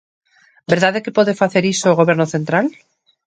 ¿Verdade que pode facer iso o Goberno central?